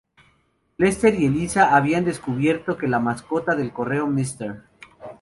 Lester y Eliza habían descubierto que la mascota del correo, Mr.